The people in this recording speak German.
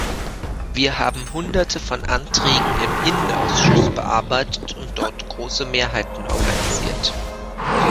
Wir haben Hunderte von Anträgen im Innenausschuss bearbeitet und dort große Mehrheiten organisiert.